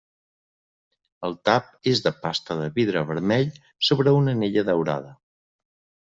El tap és de pasta de vidre vermell sobre una anella daurada.